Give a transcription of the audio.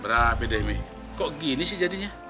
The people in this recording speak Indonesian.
berapa deh mi kok gini sih jadinya